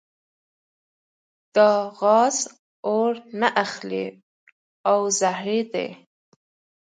دا غاز اور نه اخلي او زهري دی.